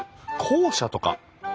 校舎とか？